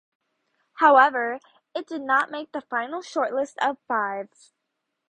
However, it did not make the final shortlist of five.